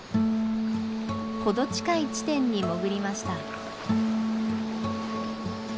程近い地点に潜りました。